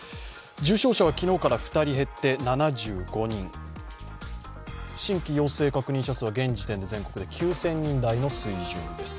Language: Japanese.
重症者は昨日から２人減って７５人新規陽性確認者数は、現在、全国で９０００人台の水準です。